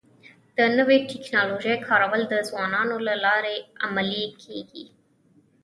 د نوې ټکنالوژۍ کارول د ځوانانو له لارې عملي کيږي.